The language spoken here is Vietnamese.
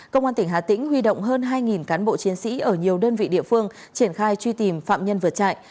công an tỉnh hà tĩnh huy động hơn hai cán bộ chiến sĩ ở nhiều đơn vị địa phương triển khai truy tìm phạm nhân vượt trại